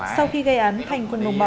sau khi gây án thành quân ngồn bọn